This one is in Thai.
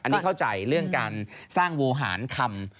อันนี้เข้าใจเรื่องการสร้างโวหารคำ